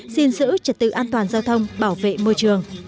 xin giữ trật tự an toàn giao thông bảo vệ môi trường